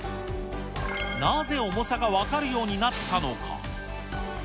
なぜ重さが分かるようになったのか。